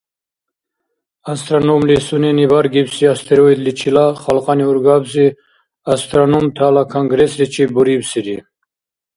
Астрономли сунени баргибси астероидличила халкьани-ургабси астрономтала конгрессличиб бурибсири.